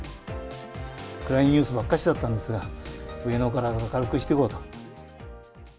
暗いニュースばっかりだったんですが、上野から明るくしていこうと。